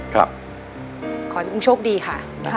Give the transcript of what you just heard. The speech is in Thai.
ขอให้มุ่งโชคดีค่ะ